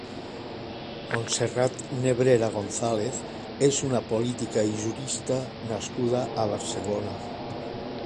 Montserrat Nebrera González és una política i jurista nascuda a Barcelona.